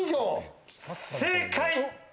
正解！